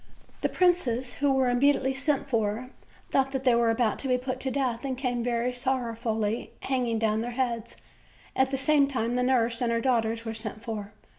The princes, who were immediately sent for, thought that they were about to be put to death, and came very sorrowfully, hanging down their heads; at the same time the nurse and her daughter were sent for.